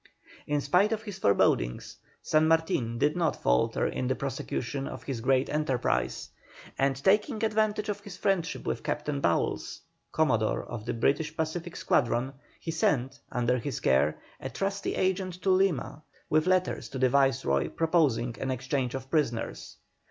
In spite of his forebodings San Martin did not falter in the prosecution of his great enterprise, and taking advantage of his friendship with Captain Bowles, Commodore of the British Pacific squadron, he sent, under his care, a trusty agent to Lima with letters to the Viceroy proposing an exchange of prisoners.